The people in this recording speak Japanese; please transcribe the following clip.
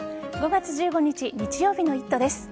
５月１５日日曜日の「イット！」です。